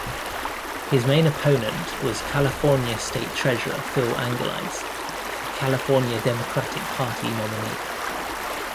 His main opponent was California State Treasurer Phil Angelides, the California Democratic Party nominee.